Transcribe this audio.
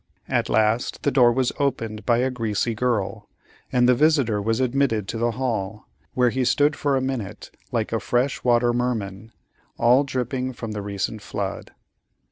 At last the door was opened by a greasy girl, and the visitor was admitted to the hall, where he stood for a minute, like a fresh water merman, "all dripping from the recent flood."